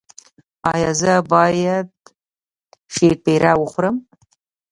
ایا زه باید شیرپیره وخورم؟